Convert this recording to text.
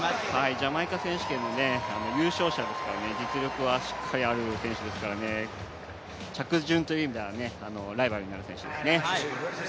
ジャマイカ選手権の優勝者ですから、実力はしっかりある選手ですから着順という意味ではライバルになる選手ですね。